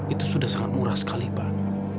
itu sudah sangat murah sekali pak